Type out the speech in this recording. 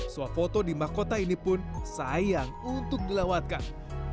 suap foto di makota ini pun sayang untuk dilawatkan